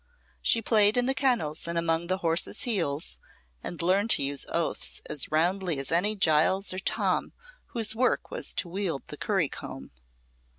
She played in the kennels and among the horses' heels, and learned to use oaths as roundly as any Giles or Tom whose work was to wield the curry comb.